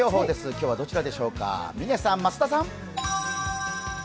今日はどちらでしょうか、嶺さん、増田さん。